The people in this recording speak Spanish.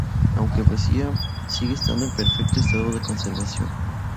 Aunque vacía, sigue estando en perfecto estado de conservación.